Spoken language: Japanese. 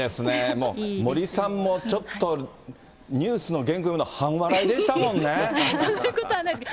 もう、森さんもちょっとニュースの原稿読むの、そんなことはないです。